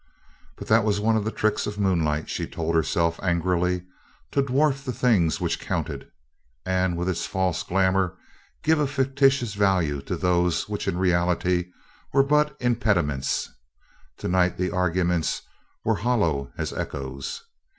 But that was one of the tricks of moonlight, she told herself angrily, to dwarf the things which counted, and with its false glamour give a fictitious value to those which in reality were but impediments. To night the arguments were hollow as echoes.